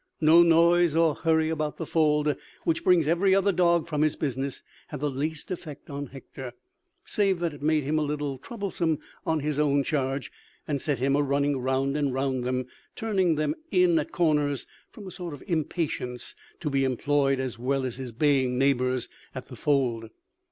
No noise or hurry about the fold, which brings every other dog from his business, had the least effect on Hector, save that it made him a little troublesome on his own charge, and set him a running round and round them, turning them in at corners, from a sort of impatience to be employed as well as his baying neighbours at the fold.